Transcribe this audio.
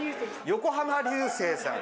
横浜流星さん。